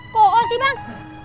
kok oh sih bang